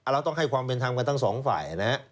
เราต้องให้ความเป็นธรรมกันทั้งสองฝ่ายนะฮะ